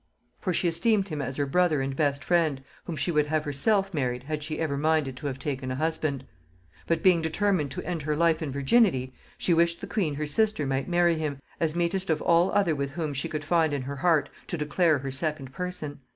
For she esteemed him as her brother and best friend, whom she would have herself married had she ever minded to have taken a husband. But being determined to end her life in virginity, she wished the queen her sister might marry him, as meetest of all other with whom she could find in her heart to declare her second person.